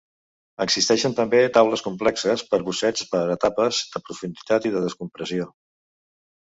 Existeixen també taules complexes per busseig per etapes, de profunditat i de descompressió.